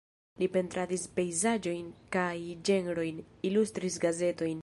Li pentradis pejzaĝojn kaj ĝenrojn, ilustris gazetojn.